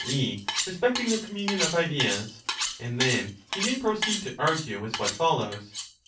e. respecting the communion of ideas], and then he may proceed to argue with what follows.